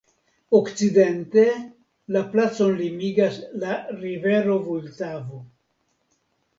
Okcidente la placon limigas la rivero Vultavo.